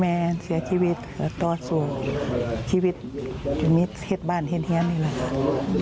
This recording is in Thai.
แม่เสียชีวิตต้นสู่ชีวิตเห็ดบ้านเหนียนนี่แหละครับ